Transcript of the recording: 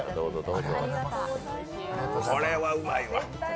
これはうまいわ。